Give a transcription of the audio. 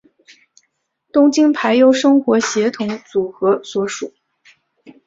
东京俳优生活协同组合所属。